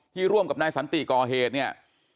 ร่วมกับนายสันติก่อเหตุเนี่ย